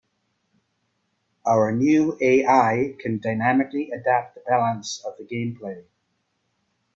Our new AI can dynamically adapt the balance of the gameplay.